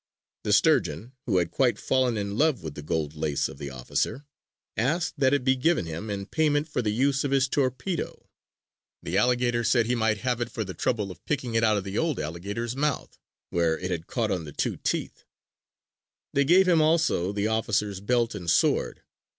The Sturgeon, who had quite fallen in love with the gold lace of the officer, asked that it be given him in payment for the use of his torpedo. The alligators said he might have it for the trouble of picking it out of the old alligator's mouth, where it had caught on the two teeth. They gave him also the officer's belt and sword.